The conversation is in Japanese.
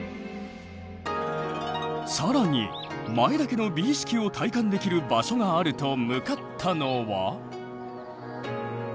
更に前田家の美意識を体感できる場所があると向かったのは。